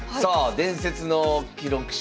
「伝説の記録集」